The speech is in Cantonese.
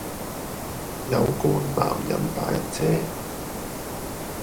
有個男人打人啫